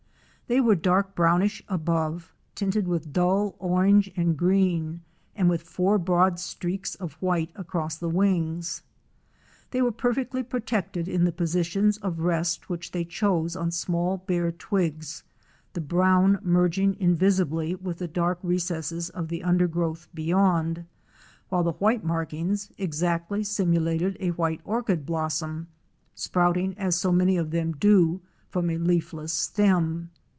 They were dark brownish above, tinted with dull orange and green and with four broad streaks of white across the wings. They were perfectly protected in the positions of rest which they chose on small bare twigs, the brown merg ing invisibly with the dark recesses of the undergrowth beyond, while the white markings exactly simulated a white orchid blossom, sprouting, as so many of them do, from a leafless stem.